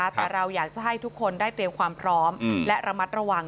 แต่เราอยากจะให้ทุกคนได้เตรียมความพร้อมและระมัดระวัง